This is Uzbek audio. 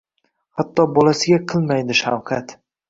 Hatto bolasiga qilmaydi shafqat.